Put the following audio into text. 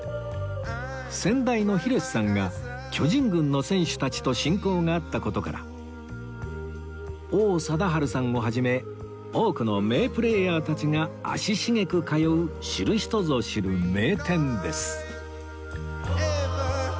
先代の弘さんが巨人軍の選手たちと親交があった事から王貞治さんを始め多くの名プレーヤーたちが足しげく通う知る人ぞ知る名店です